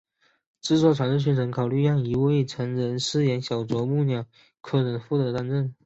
制作团队虽曾考虑让一位成人饰演小啄木鸟奎尔负责担任。